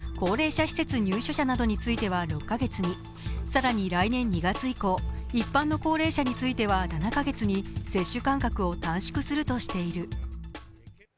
医療従事者や高齢者施設入居者などについては６カ月に更に来年２月以降一般の高齢者については７カ月に接種間隔を短縮するとしている。